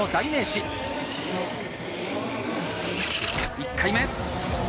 １回目。